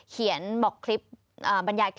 เขียนบัญญาณคลิปบอกว่า